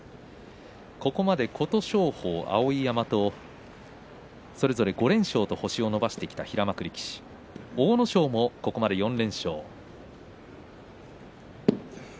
ここまで琴勝峰と碧山それぞれ５連勝と星を伸ばしてきた平幕力士阿武咲もここまで４連勝。